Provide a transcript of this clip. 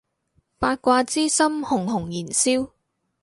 八卦之心熊熊燃燒